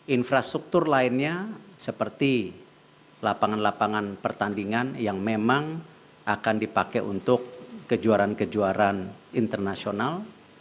infrastruktur lainnya seperti lapangan lapangan pertandingan yang memang akan dipakai untuk kejuaraan kejuaraan internasional